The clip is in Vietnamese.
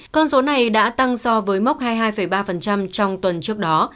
con số này đã tăng so với mốc hai mươi hai ba trong tuần trước đó